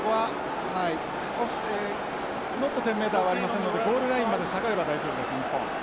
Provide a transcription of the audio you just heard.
ノット１０メーターはありませんのでゴールラインまで下がれば大丈夫です日本。